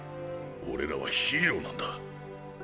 俺らはヒーローなんだ。